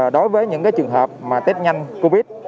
đối với những trường hợp tết nhanh covid